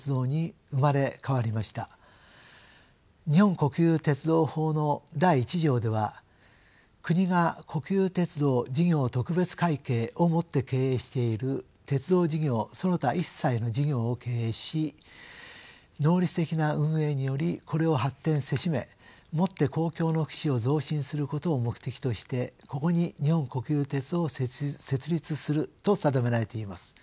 「日本国有鉄道法」の第１条では「国が国有鉄道事業特別会計をもって経営している鉄道事業その他一切の事業を経営し能率的な運営によりこれを発展せしめもって公共の福祉を増進することを目的としてここに日本国有鉄道を設立する」と定められています。